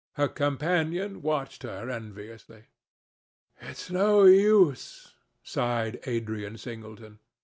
Her companion watched her enviously. "It's no use," sighed Adrian Singleton.